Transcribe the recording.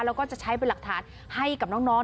แล้วก็จะใช้เป็นหลักฐานให้กับน้อง